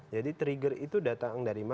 jadi trigger itu datang dari mana